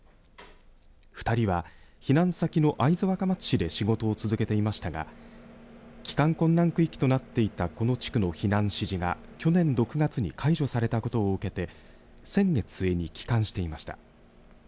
２人は避難先の会津若松市で仕事を続けていましたが帰還困難区域となっていたこの地区の避難指示が去年６月に解除されたことを受けて先月末に帰還していました。